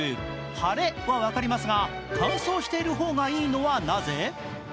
晴れは分かりますが、乾燥している方がいいのはなぜ？